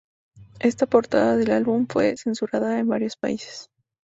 Esta portada del álbum fue censurada en varios países.